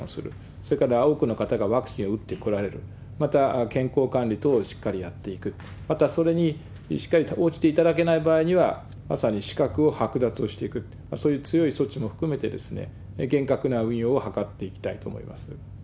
それから多くの方がワクチンを打ってこられる、また健康管理等をしっかりやっていく、また、それにしっかりと応じていただけない場合には、まさに資格を剥奪をしていく、そういう強い措置も含めて、厳格な運用を図っていきたいと思います。